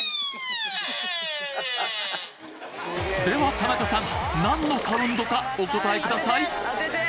では田中さん！何のサウンドかお答えください！